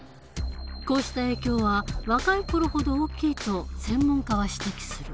こうした影響は若い頃ほど大きいと専門家は指摘する。